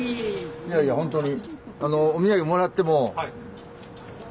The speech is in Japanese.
いやいやほんとに。